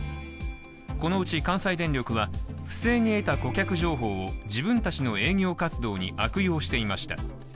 このうち関西電力は、不正に得た顧客情報を自分たちの営業活動に悪用していました。